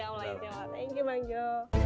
thank you bang jo